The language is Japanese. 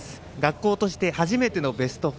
学校として初めてのベスト４。